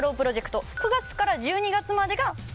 ９月から１２月までが。